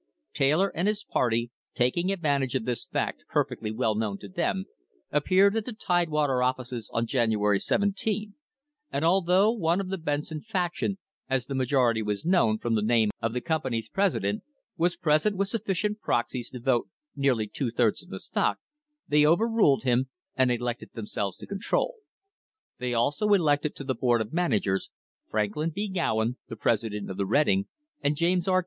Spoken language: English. Taylor and his party, taking advantage of this fact perfectly well known to them, appeared at the Tidewater offices on January 17, and al though one of the Benson faction, as the majority was known from the name of the company's president, was present with sufficient proxies to vote nearly two thirds of the stock, they overruled him and elected themselves to the control. They also elected to the Board of Managers, Franklin B. Gowen, the president of the Reading, and James R.